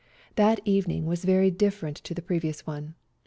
That evening was very different to the previous one.